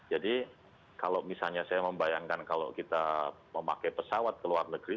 jadi kalau misalnya saya membayangkan kalau kita memakai pesawat ke luar negeri